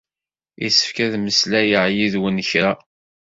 Yessefk ad mmeslayeɣ yid-nwen kra.